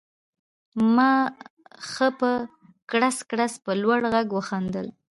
ما ښه په کړس کړس په لوړ غږ وخندل